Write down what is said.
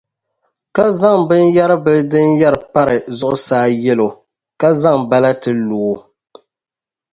ka zaŋ binyɛribili din yɛri pari zuɣusaa yɛli o, ka zaŋ balati lo o.